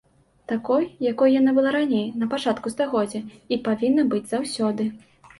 Такой, якой яна была раней, на пачатку стагоддзя, і павінна быць заўсёды.